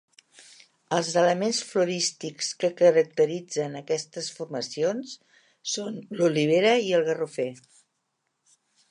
Els elements florístics que caracteritzen aquestes formacions són l'olivera i el garrofer.